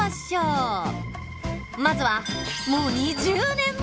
まずはもう２０年前！